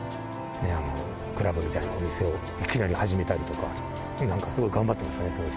クラブみたいなお店をいきなり始めたりとか、なんかすごい頑張ってましたね。